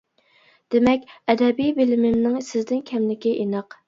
دېمەك ئەدەبىي بىلىمىمنىڭ سىزدىن كەملىكى ئېنىق.